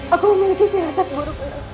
aku memiliki firasat buruk